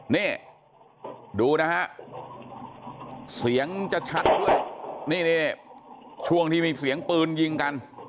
นี่ดูนะฮะเสียงจะชัดด้วยนี่ช่วงที่มีเสียงปืนยิงกัน